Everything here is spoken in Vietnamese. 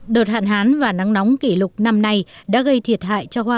đợt hạn hán và nắng nóng kỷ lục năm nay đã gây thiệt hại cho hoa